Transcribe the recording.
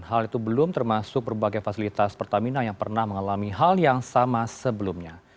hal itu belum termasuk berbagai fasilitas pertamina yang pernah mengalami hal yang sama sebelumnya